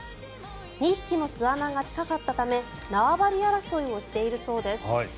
２匹の巣穴が近かったため縄張り争いをしているそうです。